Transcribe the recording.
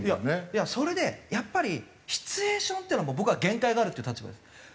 いやそれでやっぱりシチュエーションっていうのは僕は限界があるっていう立場です。